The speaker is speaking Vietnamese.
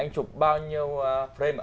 anh chụp bao nhiêu frame ạ